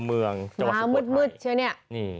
ม้ามืดเชื่อนี่